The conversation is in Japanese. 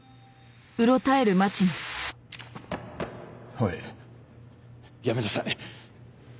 おいやめなさい。